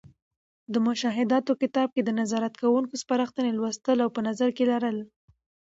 د مشاهداتو کتاب کې د نظارت کوونکو سپارښتنې لوستـل او په نظر کې لرل.